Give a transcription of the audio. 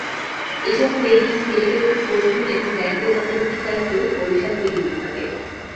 এসব ফেরি, ফেরিতে ওঠার পন্টুন এবং গ্যাংওয়ে তদারকির দায়িত্ব বরিশাল ফেরি বিভাগের।